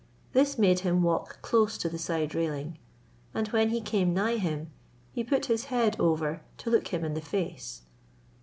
This made him walk close to the side railing; and when he came nigh him, he put his head over to look him in the face.